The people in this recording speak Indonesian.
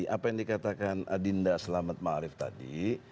apa yang dikatakan adinda selamat maharif tadi